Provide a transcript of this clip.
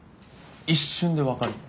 一瞬で分かるの。